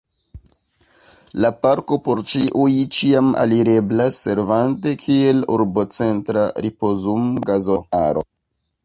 La parko por ĉiuj ĉiam alireblas servante kiel urbocentra ripozumgazonaro.